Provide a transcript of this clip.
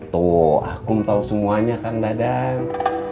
tuh aku tahu semuanya kan dadang